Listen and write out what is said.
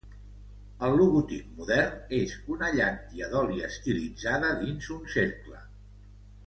El logotip modern és una llàntia d'oli estilitzada dins un cercle.